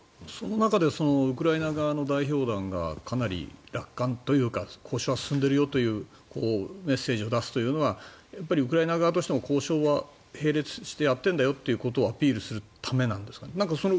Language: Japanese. その中でウクライナ側の代表団がかなり楽観というか交渉は進んでいるよというメッセージを出すというのはウクライナ側としては交渉は並立してやっているんだよということをアピールするためなんですかね。